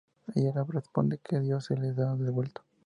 Ella le responde que Dios se las ha devuelto.